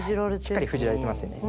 しっかり封じられてますよね。